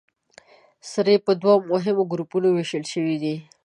سرې په دوو مهمو ګروپونو ویشل شوې دي.